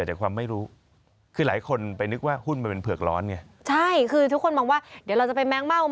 แล้วเราก็ถือรับปันผลอันนี้ก็เล่นได้แล้ว